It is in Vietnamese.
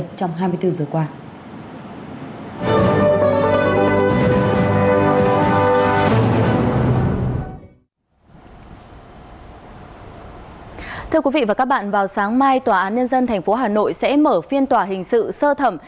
thưa quý vị và các bạn vào sáng mai tòa án nhân dân tp hà nội sẽ mở phiên tòa hình sự sơ thẩm